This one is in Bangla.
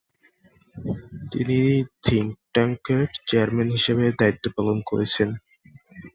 তিনি থিঙ্ক ট্যাঙ্কের চেয়ারম্যান হিসেবে দায়িত্ব পালন করেছেন।